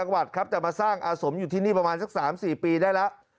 จังหวัดครับจะมาสร้างอาสมอยู่ที่นี่ประมาณสัก๓๔ปีได้แล้ว